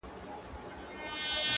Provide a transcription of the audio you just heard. د دوستۍ درته لرمه پیغامونه!